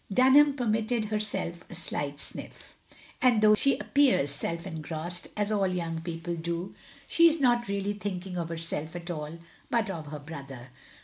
Dunham permitted herself a slight sniff. "And though she appears self engrossed, as all young people do, she is not really thinking of herself at all, but of her brother.